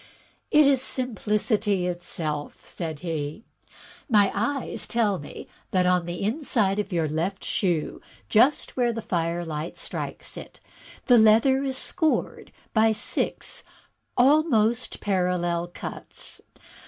"It is simplicity itself," said he; "my eyes tell me that on the inside of your left shoe, just where the fireUght strikes it, the leather is scored by six almost parallel cuts.